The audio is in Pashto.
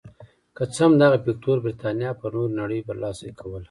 که څه هم دغه فکټور برېتانیا پر نورې نړۍ برلاسې کوله.